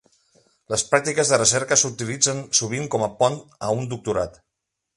Les pràctiques de recerca s'utilitzen sovint com a pont a un doctorat.